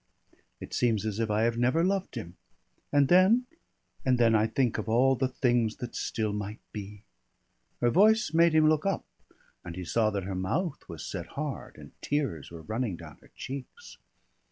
"It seems as if I have never loved him. And then and then I think of all the things that still might be." Her voice made him look up, and he saw that her mouth was set hard and tears were running down her cheeks.